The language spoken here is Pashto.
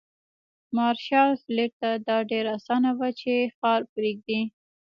مارشال فيلډ ته دا ډېره اسانه وه چې ښار پرېږدي.